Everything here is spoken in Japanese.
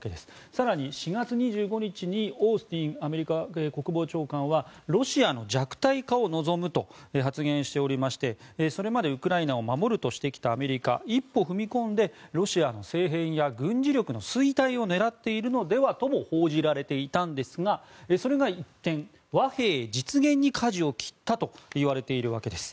更に４月２５日にオースティン国防長官はロシアの弱体化を望むと発言しておりましてそれまでウクライナを守るとしてきたアメリカ一歩踏み込んでロシアの政変や軍事力の衰退を狙っているのではとも報じられていたんですがそれが一転、和平実現にかじを切ったといわれているわけです。